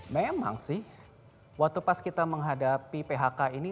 memang sih waktu pas kita menghadapi phk ini